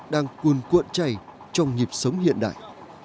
đang cuồn cuộn chày trong nhịp sống hiện đại